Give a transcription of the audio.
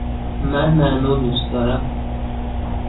من نعنا دوست دارم.